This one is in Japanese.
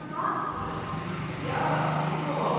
あっやあみもも。